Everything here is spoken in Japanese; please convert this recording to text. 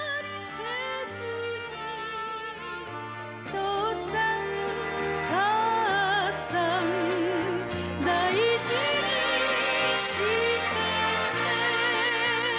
「父さん母さん大事にしてね」